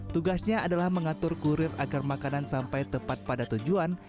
tugasnya adalah mengatur kurir agar makanan sampai tepat pada tujuan